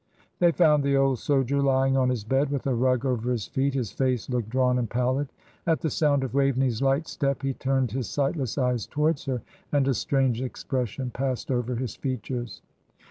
They found the old soldier lying on his bed, with a rug over his feet; his face looked drawn and pallid. At the sound of Waveney's light step he turned his sightless eyes towards her, and a strange expression passed over his features.